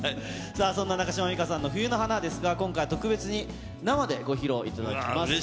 さあ、そんな中島美嘉さんの雪の華ですが、今回は特別に生でご披露いただきます。